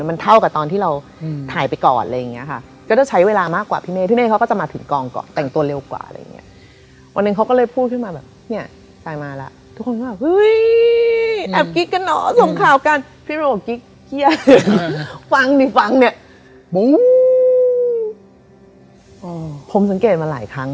มีแต่ภาพไม่มีเสียง